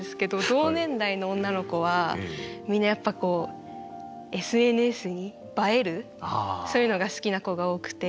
同年代の女の子はみんなやっぱこうＳＮＳに映えるそういうのが好きな子が多くて。